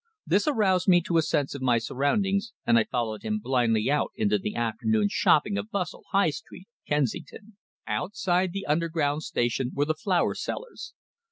This aroused me to a sense of my surroundings, and I followed him blindly out into the afternoon shopping bustle of High Street, Kensington. Outside the Underground Station were the flower sellers.